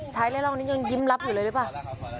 เล่นรอบนี้ยังยิ้มรับอยู่เลยหรือเปล่า